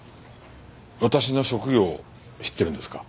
私の職業を知っているんですか？